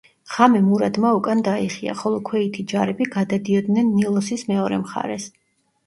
ღამე მურადმა უკან დაიხია, ხოლო ქვეითი ჯარები გადადიოდნენ ნილოსის მეორე მხარეს.